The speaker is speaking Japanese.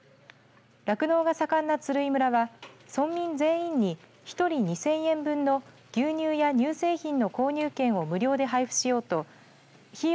酪農が盛んな鶴居村は村民全員に１人２０００円分の牛乳や、乳製品の購入券を無料で配布しようと費用